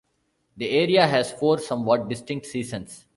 The area has four somewhat distinct seasons.